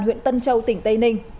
huyện tân châu tỉnh tây ninh